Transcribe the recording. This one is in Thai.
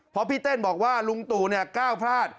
เพราะพี่เต้นบอกว่าลุงตู่ก้าวพลาด